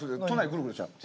ぐるぐるちゃう。